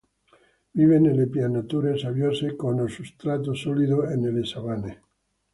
Vive nelle pianure sabbiose cono substrato solido e nelle savane.